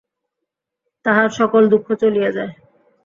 তাহার সকল দুঃখ চলিয়া যায়।